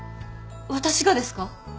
私がですか？